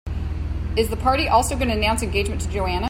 Isn't the party also to announce his engagement to Joanna?